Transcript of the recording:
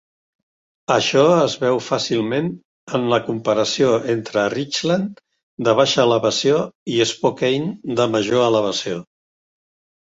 Això es veu fàcilment en la comparació entre Richland de baixa elevació i Spokane de major elevació.